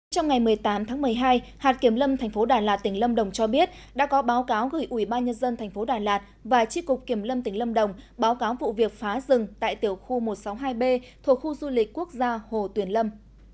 trong ngày một mươi tám tháng một mươi hai hạt kiểm lâm thành phố đà lạt tỉnh lâm đồng cho biết đã có báo cáo gửi ubnd tp đà lạt và tri cục kiểm lâm tỉnh lâm đồng báo cáo vụ việc phá rừng tại tiểu khu một trăm sáu mươi hai b thuộc khu du lịch quốc gia hồ tuyển lâm